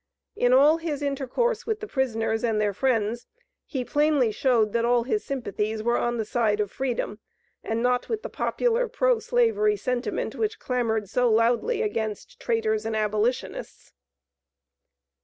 In all his intercourse with the prisoners and their friends, he plainly showed that all his sympathies were on the side of Freedom, and not with the popular pro slavery sentiment which clamored so loudly against traitors and abolitionists.